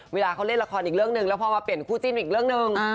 เวลาเล่นละครอีกเรื่องนึงพอมาเปลี่ยนคู่จิ้นท์อีกเรื่องนึง